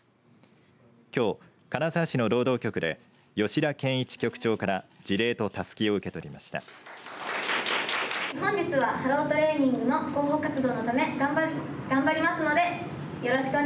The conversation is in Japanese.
きょう、金沢市の労働局で吉田研一局長から辞令とたすきを受け取りました。